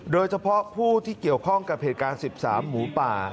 โดยเฉพาะผู้ที่เกี่ยวข้องกับเหตุการณ์๑๓หมูป่า